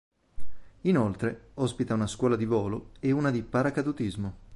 Inoltre ospita una scuola di volo e una di paracadutismo.